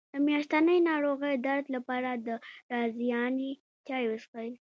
د میاشتنۍ ناروغۍ درد لپاره د رازیانې چای وڅښئ